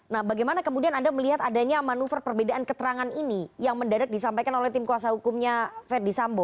nah bagaimana kemudian anda melihat adanya manuver perbedaan keterangan ini yang mendadak disampaikan oleh tim kuasa hukumnya verdi sambo